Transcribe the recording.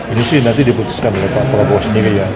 ini sih nanti diputuskan oleh pak prabowo sendiri ya